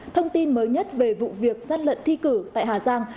thông tin mới nhất về vụ việc gian lận thi cử tại hà giang